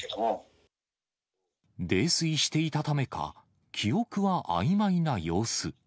泥酔していたためか、記憶はあいまいな様子。